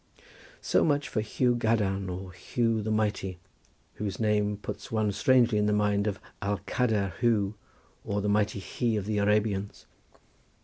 So much for Hu Gadarn or Hu the Mighty, whose name puts one strangely in mind of the Al Kader Hu or the Almighty He of the Arabians.